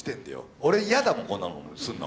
俺嫌だもんこんなのすんの。